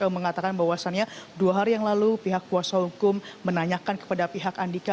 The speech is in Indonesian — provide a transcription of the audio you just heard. mengatakan bahwasannya dua hari yang lalu pihak kuasa hukum menanyakan kepada pihak andika